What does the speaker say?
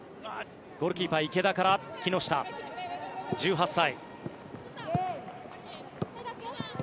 ゴールキーパー、池田から木下、１８歳。